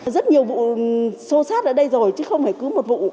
rất nhiều vụ xô xát ở đây rồi chứ không phải cứ một vụ